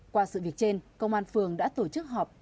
qua sự việc trên công an phường đã tổ chức họp